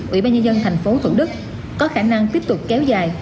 ủy ban nhân dân tp hcm tp hcm có khả năng tiếp tục kéo dài